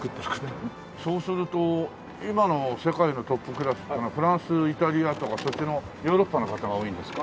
そうすると今の世界のトップクラスっていうのはフランスイタリアとかそっちのヨーロッパの方が多いんですか？